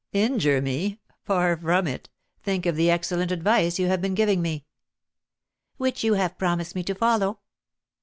"Injure me! Far from it! Think of the excellent advice you have been giving me." "Which you have promised me to follow?"